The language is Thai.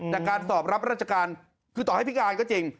แต่การสอบรับราชการคือต่อให้พิการก็จริง